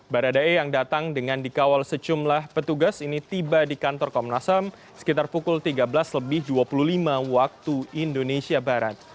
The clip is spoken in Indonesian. baradae yang datang dengan dikawal secumlah petugas ini tiba di kantor komnas ham sekitar pukul tiga belas lebih dua puluh lima waktu indonesia barat